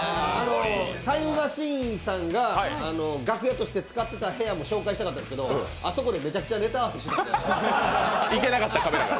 タイムマシーンさんが楽屋として使った部屋も紹介したかったんですけどあそこでめちゃくちゃネタ合わせしてたんで。